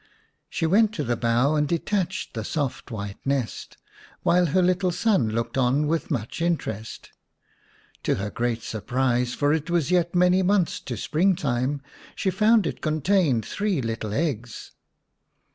She went to the bough and detached the soft white nest, while her little son looked on with much interest. To her great surprise, for it was yet many months to spring time, she found it contained three little eggs.